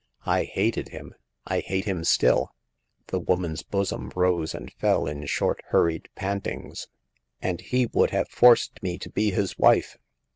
I hated him. I hate him still !"— the woman's bosom rose and fell in short, hurried pantings —" and he would have forced me to be his wife.